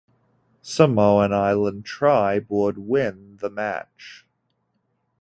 Samoan Island Tribe would win the match.